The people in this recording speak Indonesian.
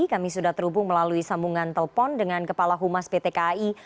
kami sudah terhubung melalui sambungan telpon dengan kepala humas pt kai